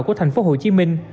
của thành phố hồ chí minh